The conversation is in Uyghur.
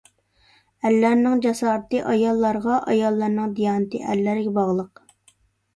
ئەرلەرنىڭ جاسارىتى ئاياللارغا، ئاياللارنىڭ دىيانىتى ئەرلەرگە باغلىق.